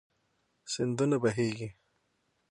سيندونه بهيږي